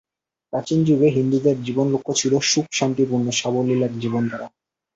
প্রাচীনযুগে হিন্দুদের জীবনলক্ষ্য ছিল সুখ-শান্তিপূর্ণ সাবলীল এক জীবনধারা।